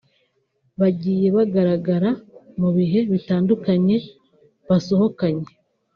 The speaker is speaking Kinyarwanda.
Bagiye bagaragara mu bihe bitandukanye basohokanye